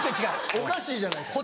おかしいじゃないですか。